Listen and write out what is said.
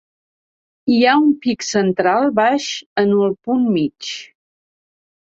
Hi ha un pic central baix en el punt mig.